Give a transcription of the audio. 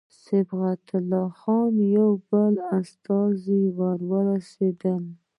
صبغت الله خان یو بل استازی ورسېدی.